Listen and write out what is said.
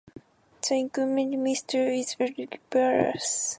The incumbent Minister is Aristides Baltas.